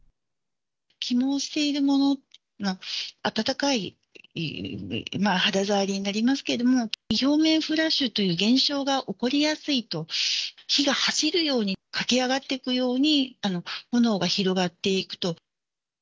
起毛しているものは、暖かい肌触りになりますけれども、表面フラッシュという現象が起こりやすいと、火が走るように駆け上がっていくように、炎が広がっていくと。